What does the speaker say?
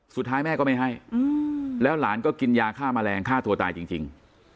สุดท้ายแม่ก็ไม่ให้แล้วหลานก็กินยาฆ่าแมลงฆ่าตัวตายจริง